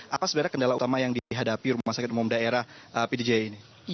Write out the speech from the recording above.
apa sebenarnya kendala utama yang dihadapi rumah sakit umum daerah pd jaya ini